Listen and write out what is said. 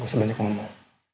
gua sebanyak ngomong